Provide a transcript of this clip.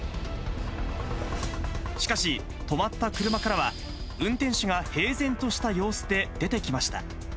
しかし、止まった車からは、運転手が平然とした様子で出てきました。